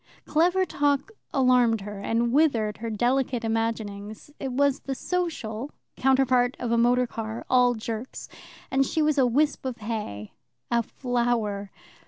Clever talk alarmed her, and withered her delicate imaginings; it was the social; counterpart of a motorcar, all jerks, and she was a wisp of hay, a flower.